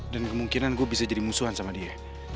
dan kemungkinan gue bisa jadi musuhan sama dia